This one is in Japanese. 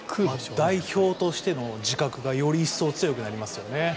代表としての自覚がより強くなりますよね。